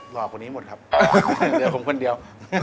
หล่อคนนี้หมดครับเดี๋ยวผมคนเดียว